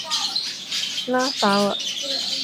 拉法尔。